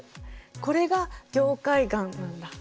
これが凝灰岩なんだ。